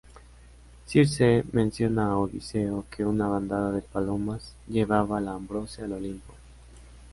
Circe mencionó a Odiseo que una bandada de palomas llevaba la ambrosía al Olimpo.